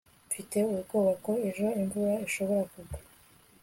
mfite ubwoba ko ejo imvura ishobora kugwa